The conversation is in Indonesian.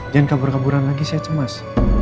jangan kabur kaburan lagi si aceh mas